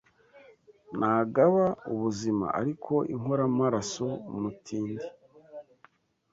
nagaba ubuzima ariko inkoramaraso, umutindi